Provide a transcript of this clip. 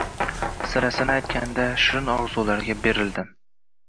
Sirasini aytganda, shirin orzularga berildim